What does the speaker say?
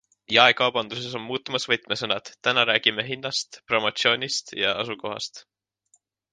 Jaekaubanduses on muutumas võtmesõnad - täna räägime hinnast, promotsioonist ja asukohast.